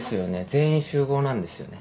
全員集合なんですよね？